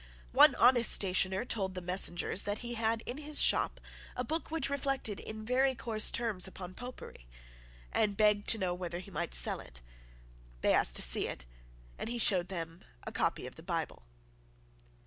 One honest stationer told the messengers that he had in his shop a book which reflected in very coarse terms on Popery, and begged to know whether he might sell it. They asked to see it; and he showed them a copy of the Bible.